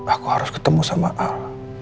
aku harus ketemu sama allah